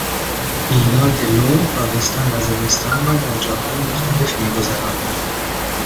ایلات لر تابستان و زمستان را در جاهای مختلف میگذرانند.